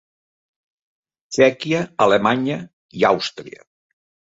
Txèquia, Alemanya i Àustria.